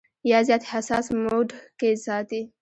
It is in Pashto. يا زيات حساس موډ کښې ساتي -